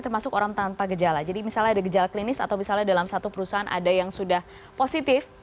termasuk orang tanpa gejala jadi misalnya ada gejala klinis atau misalnya dalam satu perusahaan ada yang sudah positif